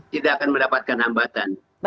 tidak akan mendapatkan hambatan